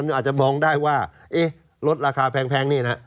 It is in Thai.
อาจจะมองได้ว่าลดราคาแพงนี่นะ